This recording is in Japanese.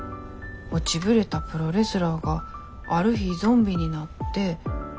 落ちぶれたプロレスラーがある日ゾンビになって。